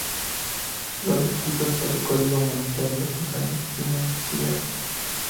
Son descritas por el Código monetario y financiero.